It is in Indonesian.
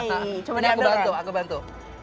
nah ini aku bantu aku bantu